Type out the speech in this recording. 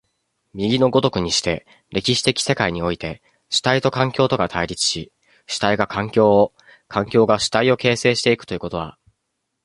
右の如くにして、歴史的世界において、主体と環境とが対立し、主体が環境を、環境が主体を形成し行くということは、